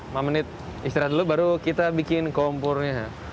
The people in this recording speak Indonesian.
lima menit istirahat dulu baru kita bikin kompornya